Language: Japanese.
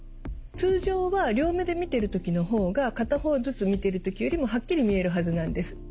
通常は両目で見ている時の方が片方ずつ見てる時よりもはっきり見えるはずなんです。